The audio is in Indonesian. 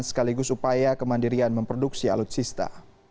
sekaligus upaya kemandirian memproduksi alutsista